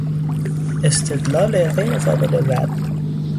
استدلال غیرقابل رد